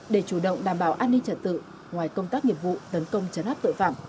để chủ động đảm bảo an ninh trật tự ngoài công tác nghiệp vụ tấn công chấn áp tội phạm